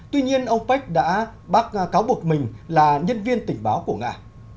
tuy nhiên ông pec đã bác cáo buộc mình là nhân viên tình báo của nga